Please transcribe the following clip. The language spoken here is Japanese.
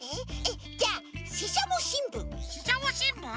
じゃあししゃもしんぶん。